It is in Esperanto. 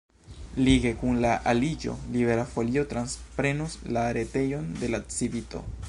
Lige kun la aliĝo Libera Folio transprenos la retejon de la Civito.